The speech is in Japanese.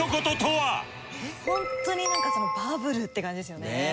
ホントになんかバブルって感じですよね。